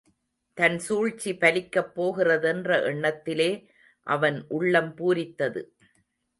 தன் சூழ்ச்சி பலிக்கப் போகிறதென்ற எண்ணத்திலே அவன் உள்ளம் பூரித்தது.